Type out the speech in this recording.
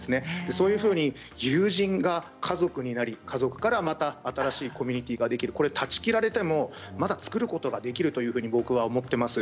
そういうふうに友人が家族になり家族からまた新しいコミュニティーができるこれは断ち切られてもまた作ることができると僕は思っています。